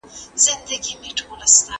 پیغمبر د انصاف مظهر و.